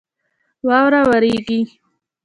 واوره ورېږي